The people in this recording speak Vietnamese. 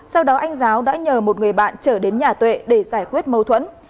sau đó anh giáo đã nhờ một người bạn trở đến nhà tuệ để giải quyết mâu thuẫn